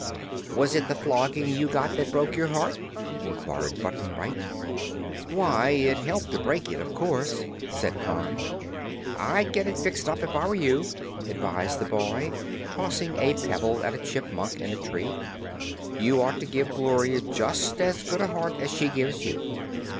"Was it the flogging you got that broke your heart?" inquired Button Bright. "Why, it helped to break it, of course," said Pon. "I'd get it fixed up, if I were you," advised the boy, tossing a pebble at a chipmunk in a tree. "You ought to give Gloria just as good a heart as she gives you."